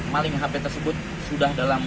maling hp tersebut sudah dalam